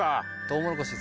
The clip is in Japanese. トウモロコシ？